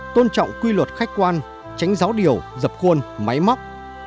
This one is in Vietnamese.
tôn trọng quy luật khách quan tránh giáo điều dập khuôn máy móc